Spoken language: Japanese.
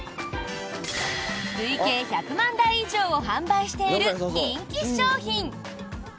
累計１００万台以上を販売している人気商品。